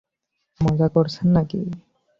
মজা করছেন নাকি?